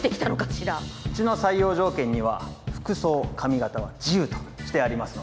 うちの採用条件には服装髪形は自由としてありますので。